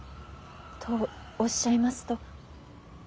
とおっしゃいますと。